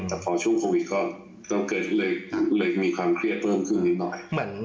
แต่พอช่วงโควิดก็เลยมีความเครียดเพิ่มขึ้นนิดหน่อย